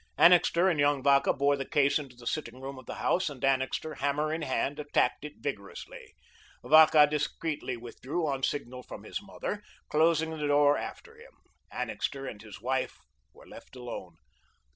Annixter and young Vacca bore the case into the sitting room of the house, and Annixter, hammer in hand, attacked it vigorously. Vacca discreetly withdrew on signal from his mother, closing the door after him. Annixter and his wife were left alone.